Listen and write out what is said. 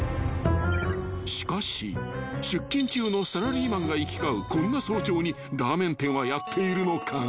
［しかし出勤中のサラリーマンが行き交うこんな早朝にラーメン店はやっているのか？］